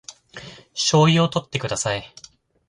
醤油をとってください